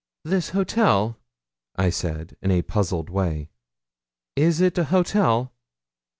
'This hotel,' I said, in a puzzled way. 'Is it a hotel?